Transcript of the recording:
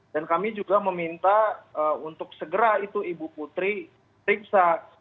dan kami juga meminta untuk segera itu ibu putri riksa